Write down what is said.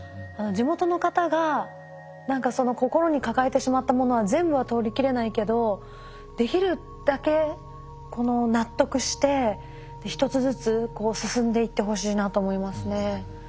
地元の方が何かその心に抱えてしまったものは全部は取りきれないけどできるだけ納得して一つずつ進んでいってほしいなと思いますね。